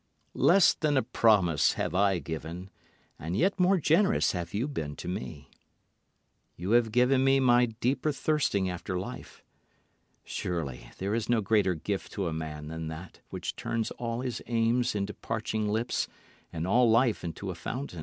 Less than a promise have I given, and yet more generous have you been to me. You have given me my deeper thirsting after life. Surely there is no greater gift to a man than that which turns all his aims into parching lips and all life into a fountain.